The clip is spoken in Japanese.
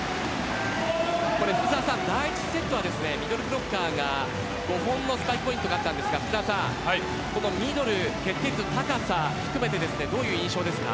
福澤さん、第１セットはミドルブロッカーが５本のスパイクポイントがありましたがミドルの決定率の高さも含めてどういう印象ですか？